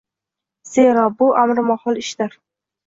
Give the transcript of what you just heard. Zero, bu amrimahol ishdir.